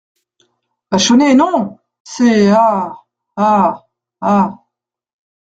Vachonnet Non ! ses a … a … a …